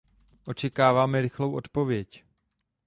Očekáváme rychlou odpověď.